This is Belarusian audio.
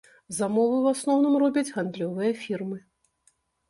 Замовы ў асноўным робяць гандлёвыя фірмы.